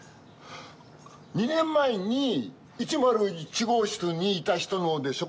２年前に１０１号室にいた人のでしょ？